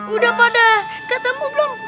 udah pada ketemu belum